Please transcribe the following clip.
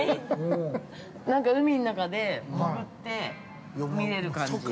◆なんか、海の中で潜って見れる感じ。